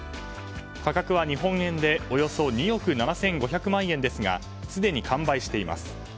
価格は日本円でおよそ２億７５００万円ですがすでに完売しています。